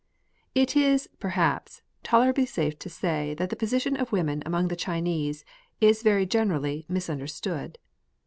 It is, perhaps, tolerably safe to say that the position of women among the • Chinese is very generally mis understood.